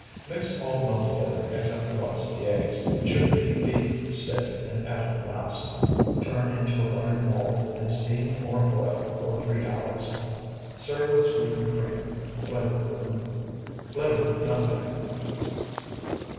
Mix all well together except the whites of the eggs, which should be beaten stiff and added last. Turn into a buttered mold, and steam or boil for three hours. Serve with sweetened cream, flavored with nutmeg.